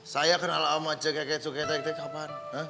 saya kenal sama cek keke cukai teh teh kapan